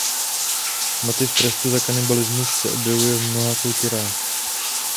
Motiv trestu za kanibalismus se objevuje v mnoha kulturách.